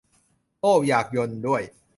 โอ้ว อยากยลด้วย